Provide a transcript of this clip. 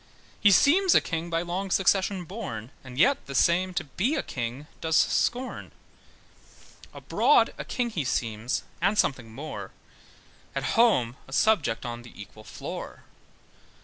He seems a king by long succession born, And yet the same to be a king does scorn. Abroad a king he seems, and something more, At home a subject on the equal floor.